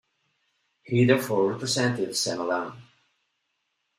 He therefore resented Sima Lun.